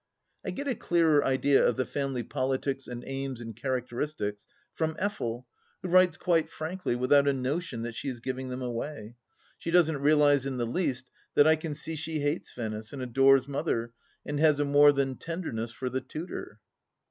I get a clearer idea of the family politics and aims and characteristics from Effel, who writes quite frankly, without a notion that she is giving them away. She doesn't realize in the least that I can see she hates Venice and adores Mother and has a more than tenderness for the tutor.